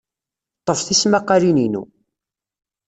Ḍḍef tismaqqalin-inu.